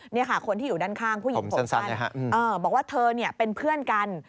นี่ค่ะคนที่อยู่ด้านข้างผู้หญิงผมสั้นบอกว่าเธอเป็นเพื่อนกัน